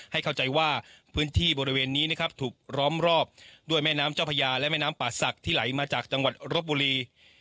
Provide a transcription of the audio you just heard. ให้เข้าใจว่าพื้นที่บริเวณนี้นะครับถูกล้อมรอบด้วยแม่น้ำเจ้าพญาและแม่น้ำป่าศักดิ์ที่ไหลมาจากจังหวัดรบบุรี